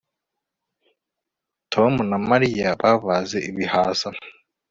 Tom na Mariya babaze ibihaza